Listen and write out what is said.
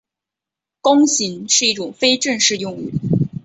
弓形是一个非正式用语。